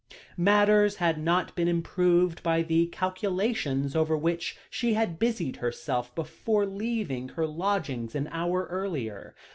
Matters had not been improved by the calculations over which she had busied herself before leaving her lodgings an hour earlier.